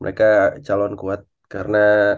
mereka calon kuat karena